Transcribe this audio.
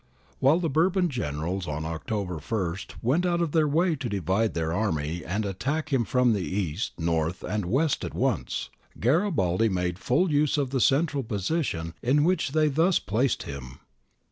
While the Bourbon generals on October i went out of their way to divide their army and attack him from east, north, and west at once, Garibaldi made full use of the central position in which they thus placed him.